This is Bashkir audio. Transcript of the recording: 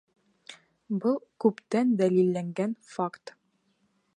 Был — күптән дәлилләнгән факт.